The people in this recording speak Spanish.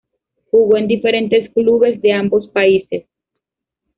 Jugó en diferentes clubes de ambos países.